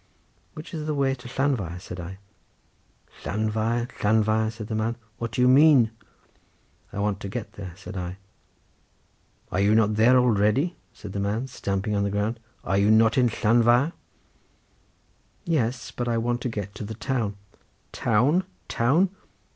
"Which is the way to Llanfair?" said I. "Llanfair, Llanfair?" said the man, "what do you mean?" "I want to get there," said I. "Are you not there already?" said the fellow stamping on the ground, "are you not in Llanfair?" "Yes, but I want to get to the town." "Town, town!